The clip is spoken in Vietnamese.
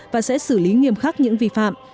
và sẽ xử lý nghiêm khắc những vi phạm